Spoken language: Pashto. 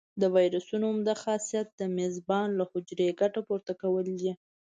د ویروسونو عمده خاصیت د میزبان له حجرې ګټه پورته کول دي.